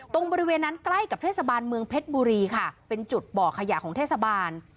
บริเวณนั้นใกล้กับเทศบาลเมืองเพชรบุรีค่ะเป็นจุดบ่อขยะของเทศบาล